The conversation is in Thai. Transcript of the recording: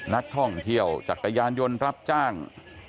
นักท่องเที่ยวจักรยานยนต์รับจ้าง